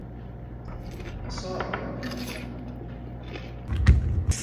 I saw what he meant.